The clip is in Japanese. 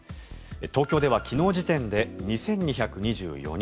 東京では昨日時点で２２２４人。